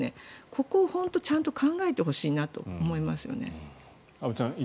ここをちゃんと考えてほしいなと思います。